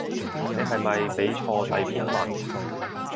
你係咪畀錯第篇文